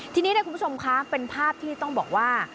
ทีนี้คุณผู้ชมคะเป็นภาพที่ต้องบอกว่า